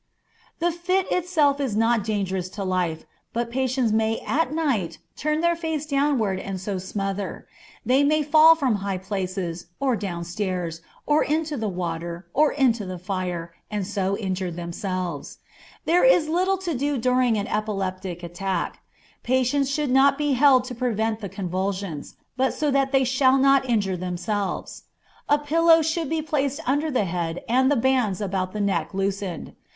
The fit itself is not dangerous to life, but patients may at night turn their face downward and so smother; they may fall from high places, or down stairs, or into the water, or into the fire, and so injure themselves. There is little to do during an epileptic attack. Patients should not be held to prevent the convulsions, but so that they shall not injure themselves. A pillow should be placed under the head and the bands about the neck loosened.